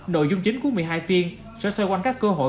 nội dung chính của một mươi hai phiên sẽ xoay quanh các cơ hội